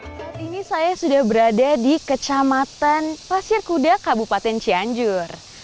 saat ini saya sudah berada di kecamatan pasir kuda kabupaten cianjur